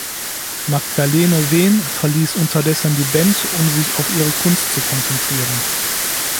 Magdalene Veen verließ unterdessen die Band, um sich auf ihre Kunst zu konzentrieren.